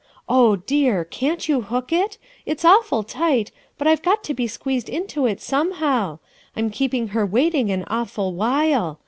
Oh dear I can't you hook it ? It's awful tight, but I've got to be squeezed into it somehow; i' m keeping her waiting an awful while.